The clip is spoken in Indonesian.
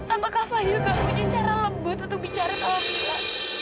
apakah fadil gak punya cara lembut untuk bicara sama mila